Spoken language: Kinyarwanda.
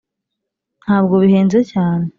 ntabwo bihenze cyane.